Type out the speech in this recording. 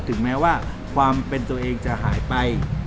ถึงแม้ว่าความเป็นตัวเองจะหายไป